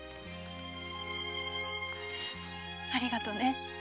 ありがとね。